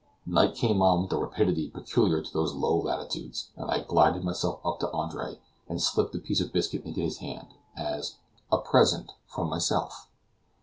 Night came on with the rapidity peculiar to these low latitudes, and I glided gently up to Andre, and slipped the piece of biscuit into his hand as "a present from myself."